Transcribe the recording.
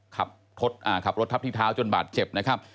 ขับรถทับที่เท้าจนบาดเจ็บนะครับ